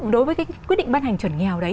đối với quyết định ban hành chuẩn nghèo đấy